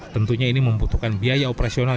tentunya ini membutuhkan biaya operasional